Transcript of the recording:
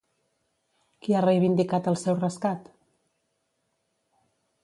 Qui ha reivindicat el seu rescat?